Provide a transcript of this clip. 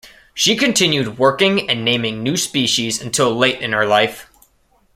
She continued working and naming new species until late in her life.